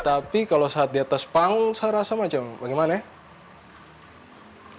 tapi kalau saat di atas panggung saya rasa macam bagaimana ya